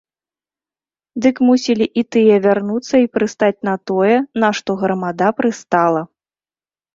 Дык мусілі і тыя вярнуцца і прыстаць на тое, на што грамада прыстала.